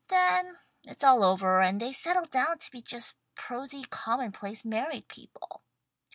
Then it's all over and they settle down to be just prosy common place married people.